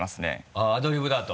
あぁアドリブだと。